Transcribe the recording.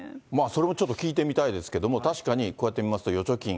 それもちょっと聞いてみたいですけども、確かにこうやって見ますと、預貯金。